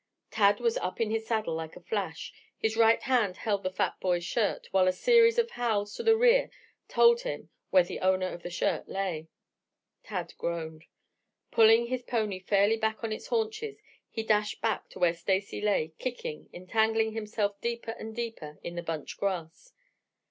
Tad was up on his saddle like a flash. His right hand held the fat boy's shirt, while a series of howls to the rear told him where the owner of the shirt lay. Tad groaned. Pulling his pony fairly back on its haunches, he dashed back where Stacy lay kicking, entangling himself deeper and deeper in the bunch grass.